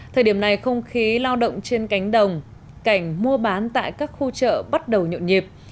thời điểm này không khí lao động trên cánh đồng cảnh mua bán tại các khu chợ bắt đầu nhộn nhịp